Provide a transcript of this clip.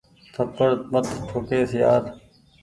ٿپڙ مت ٺو ڪيس يآر۔